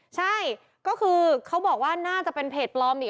ใช่ก็คือเขาบอกว่าน่าจะเป็นเพจปลอมอีก